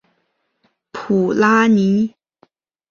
普拉尼。